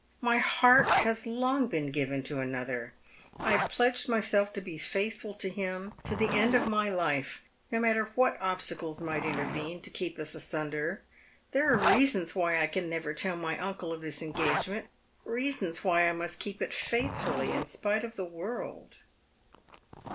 My heart has long been given to another. I have pledged myself t4 be faitliful to him to the end of my life, no matter what obstacles might intervene to keep us asunder. There are reasons why I can never tell my uncle of tliis engagement, reasons why I must keep it faithfully in spite of the world."